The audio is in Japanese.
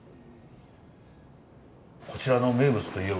こちらの名物といえば。